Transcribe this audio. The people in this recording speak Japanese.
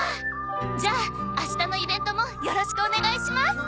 じゃあ明日のイベントもよろしくお願いします。